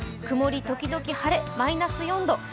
曇り時々晴れ、マイナス４度。